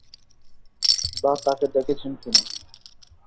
বা তাকে দেখেছেন কিনা?